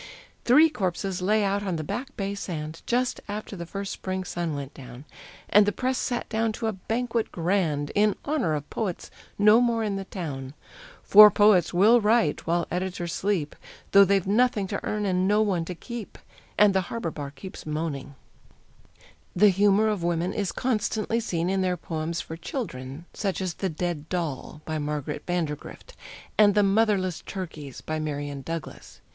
Three corpses lay out on the Back Bay sand, Just after the first spring sun went down, And the Press sat down to a banquet grand, In honor of poets no more in the town. For poets will write while editors sleep, Though they've nothing to earn and no one to keep; And the harbor bar keeps moaning. The humor of women is constantly seen in their poems for children, such as "The Dead Doll," by Margaret Vandergrift, and the "Motherless Turkeys," by Marian Douglas.